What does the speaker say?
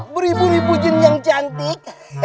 beribu ribu jin yang cantik